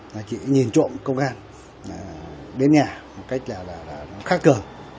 là chị nhìn trộm công an đến nhà một cách là khắc cờ